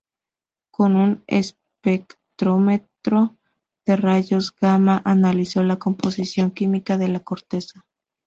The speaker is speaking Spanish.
Con un espectrómetro de rayos gamma analizó la composición química de la corteza.